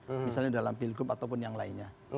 misalnya dalam pilgub ataupun yang lainnya